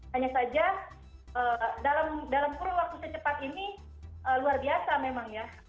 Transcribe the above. hanya saja dalam kurun waktu secepat ini luar biasa memang ya